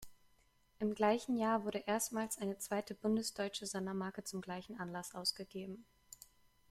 Im gleichen Jahr wurde erstmals eine zweite bundesdeutsche Sondermarke zum gleichen Anlass ausgegeben.